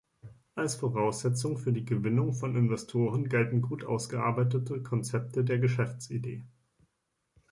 Als Voraussetzung für die Gewinnung von Investoren gelten gut ausgearbeitete Konzepte der Geschäftsidee.